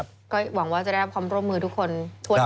ก็หวังว่าจะได้รับความร่วมมือทุกคนทั่วไป